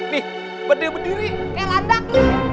nih berdiri berdiri kayak landak